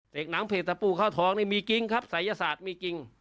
หนังเพจตะปูข้าวทองนี่มีจริงครับศัยศาสตร์มีจริง